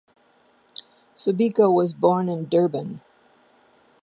Sibeko was born in Durban.